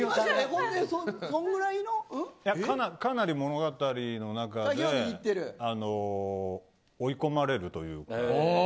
かなり物語の中で追い込まれるというか。